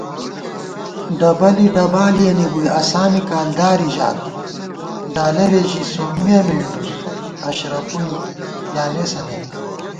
ڈبَلی ڈبالِیَنی بُوئی، اساں می کالداری ژات * ڈالَرے ژی سومّیہ مېنڈُوس، اشرَپُوئی پیانېسہ نئ